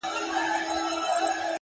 وخت د هوښیارو پانګه زیاتوي!